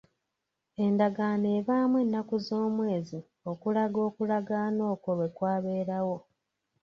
Endagaano ebaamu ennaku z'omwezi okulaga okulagaana okwo lwe kwabeerawo.